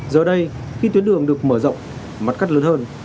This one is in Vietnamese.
giờ đây khi tuyến đường được mở rộng mặt cắt lớn hơn